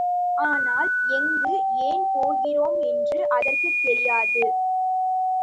ஆனால், எங்கு, ஏன் போகிறோம் என்று அதற்குத் தெரியாது.